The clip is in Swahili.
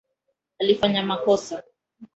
Alifanya makosa